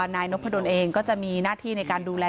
นายนพดลเองก็จะมีหน้าที่ในการดูแล